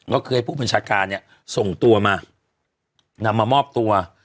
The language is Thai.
ก็คือให้ผู้บัญชาการเนี่ยส่งตัวมานำมามอบตัว